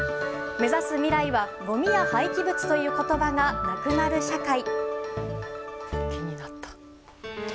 目指す未来は、ごみや廃棄物という言葉がなくなる社会。